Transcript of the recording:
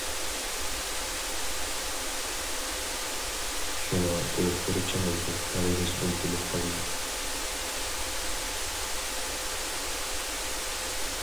شۇڭا ئۇ بۇرچىڭىزنى ھەرگىز ئۇنتۇلۇپ قالماڭ.